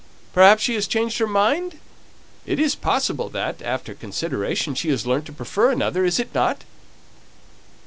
Perhaps she has changed her mind? It is possible that, after consideration, she has learnt to prefer another, is it not?"